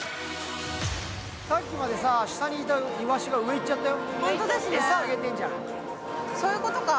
さっきまで下にいたイワシが上に行っちゃったよ。